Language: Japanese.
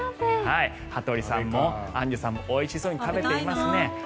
羽鳥さんもアンジュさんもおいしそうに食べていますね。